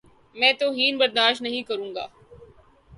میں توہین برداشت نہیں کروں گا۔